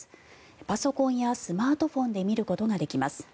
パソコンやスマートフォンで見ることができます。